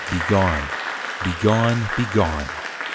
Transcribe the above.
Be gone! Be gone! Be gone!